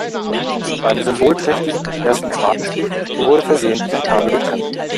Beim symbolträchtigen ersten Spatenstich wurde versehentlich ein Kabel durchtrennt.